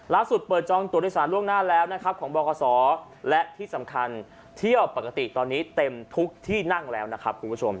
เปิดจองตัวโดยสารล่วงหน้าแล้วนะครับของบขและที่สำคัญเที่ยวปกติตอนนี้เต็มทุกที่นั่งแล้วนะครับคุณผู้ชม